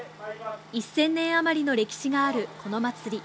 １０００年余りの歴史があるこの祭り。